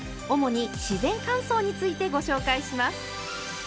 主に自然乾燥についてご紹介します！